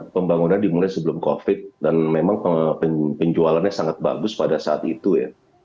pembangunan dimulai sebelum covid dan memang penjualannya sangat bagus pada saat itu ya